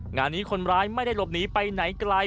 งานนี้คนร้ายไม่ได้หลบหนีไปไหนไกล